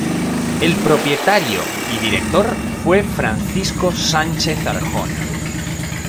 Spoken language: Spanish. El propietario y director fue Francisco Sánchez-Arjona.